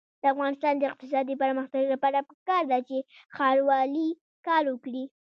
د افغانستان د اقتصادي پرمختګ لپاره پکار ده چې ښاروالي کار وکړي.